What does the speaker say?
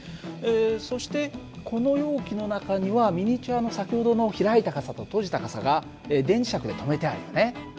そしてこの容器の中にはミニチュアの先ほどの開いた傘と閉じた傘が電磁石で留めてあるよね。